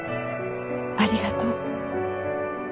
ありがとう。